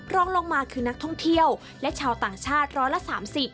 รองลงมาคือนักท่องเที่ยวและชาวต่างชาติร้อยละ๓๐